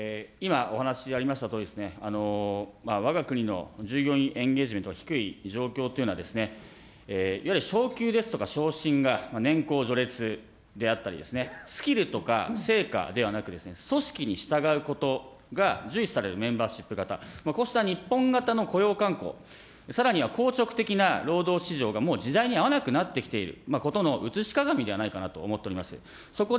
今、お話しありましたとおり、わが国の従業員エンゲージメント、低い状況というのは、いわゆる昇給ですとか、昇進が年功序列であったり、スキルとか成果ではなく、組織に従うことが重視されるメンバーシップ型、こうした日本型の雇用慣行、さらには硬直的な労働市場がもう時代に合わなくなってきていることのうつし鏡ではないかと思っております。